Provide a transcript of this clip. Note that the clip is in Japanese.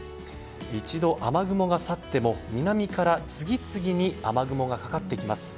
一度、雨雲が去っても南から次々に雨雲がかかってきます。